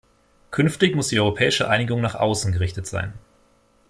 Künftig muss die europäische Einigung nach außen gerichtet sein.